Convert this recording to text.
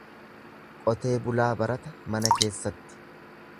Qotee bulaa barata mana keessatti.